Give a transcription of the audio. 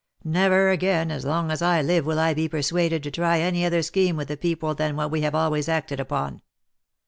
Never again as long as I live will I be persuaded to try any other scheme with the people than what we have always acted upon.